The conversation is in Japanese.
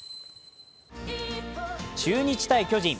中日×巨人。